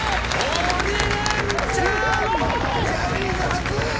鬼レンチャン。